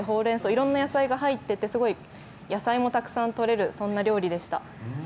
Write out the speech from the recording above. いろんな野菜が入ってすごくたくさんとれるそんな料理でした。